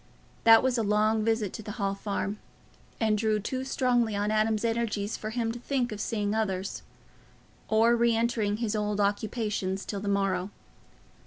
That was a long visit to the Hall Farm, and drew too strongly on Adam's energies for him to think of seeing others, or re entering on his old occupations till the morrow.